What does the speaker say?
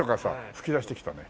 噴き出してきたね。